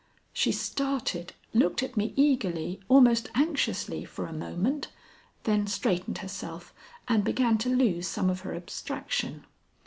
She started, looked at me eagerly, almost anxiously, for a moment, then straightened herself and began to lose some of her abstraction.